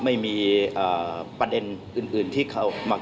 ไม่มีปัญญาณอื่นที่เขามากิน